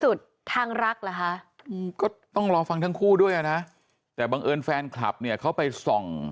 สุดทางรักเหรอคะอืมก็ต้องรอฟังทั้งคู่ด้วยอ่ะนะแต่บังเอิญแฟนคลับเนี่ยเขาไปส่อง